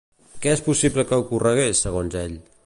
Què és possible que ocorregués, segons ell?